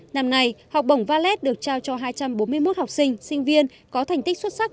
năm nay học bổng valet được trao cho hai trăm bốn mươi một học sinh sinh viên có thành tích xuất sắc